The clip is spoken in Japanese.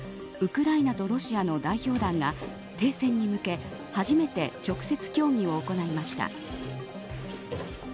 ウクライナとロシアの代表団が停戦に向け、初めて直接協議を行いました。